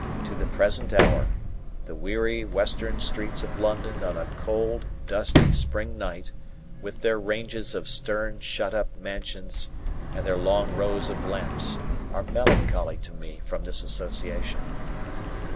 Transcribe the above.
To the present hour, the weary western streets of London on a cold, dusty spring night, with their ranges of stern, shut up mansions, and their long rows of lamps, are melancholy to me from this association.